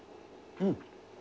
うん。